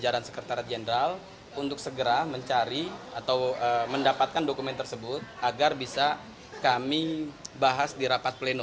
jajaran sekretariat jenderal untuk segera mencari atau mendapatkan dokumen tersebut agar bisa kami bahas di rapat pleno